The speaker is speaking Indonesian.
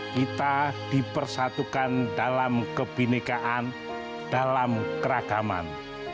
kita dipersatukan dalam kebinekaan dalam keragaman